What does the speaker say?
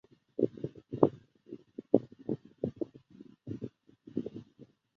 锡马农村居民点是俄罗斯联邦弗拉基米尔州尤里耶夫波利斯基区所属的一个农村居民点。